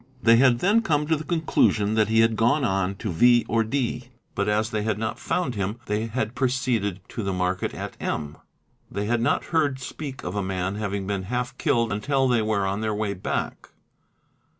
They had then come to the conclusion a that he had gone on to V. or D., but as they had not found him they i had proceeded to the market at MI. They had not heard speak of a man having been half killed until they were on their way back.